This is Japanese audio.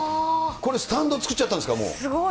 これ、スタンド作っちゃったすごい。